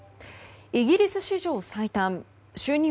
イギリス史上最短就任